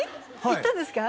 行ったんですか？